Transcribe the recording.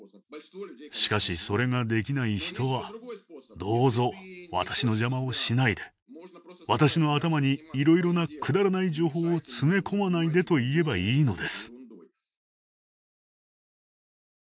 しかしそれができない人は「どうぞ私の邪魔をしないで私の頭にいろいろなくだらない情報を詰め込まないで」と言えばいいのです。